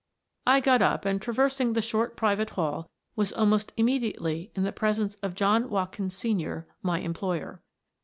I got up, and, traversing the short private hall, was almost immediately in the presence of John Watkins, Sr., my employer.